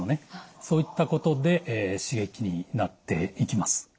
そういったことで刺激になっていきます。